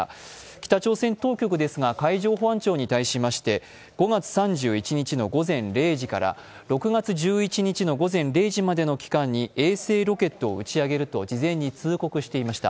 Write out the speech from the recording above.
北朝鮮当局ですが、海上保安庁に対しまして５月３１日の午前０時から６月１１日の午前０時まで人工衛星発射すると通告していました。